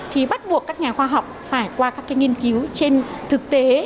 thì bắt buộc các nhà khoa học phải qua các nghiên cứu trên thực tế